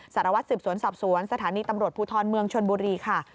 สารวัตรสืบสวนสอบสวนสถานีตำรวจภูทรเมืองชนบุรีค่ะ